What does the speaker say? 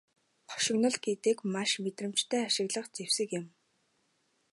Хошигнол гэдэг нь маш мэдрэмжтэй ашиглах зэвсэг юм.